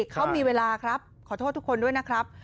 เขามีเวลาครับขอโทษทุกคนด้วยนะครับ